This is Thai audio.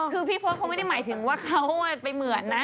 คือพี่พศเขาไม่ได้หมายถึงว่าเขาไปเหมือนนะ